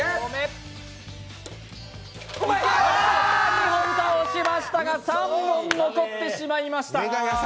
２本倒しましたが、３本残ってしまいました。